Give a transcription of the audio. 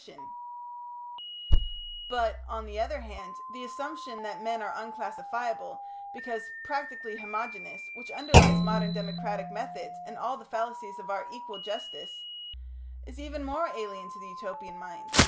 ] But, on the other hand, the assumption that men are unclassifiable, because practically homogeneous, which underlies modern democratic methods and all the fallacies of our equal justice, is even more alien to the Utopian mind.